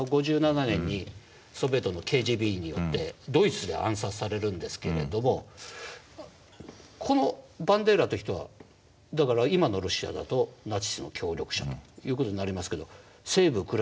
５７年にソビエトのＫＧＢによってドイツで暗殺されるんですけれどもこのバンデーラという人はだから今のロシアだとナチスの協力者という事になりますけど西部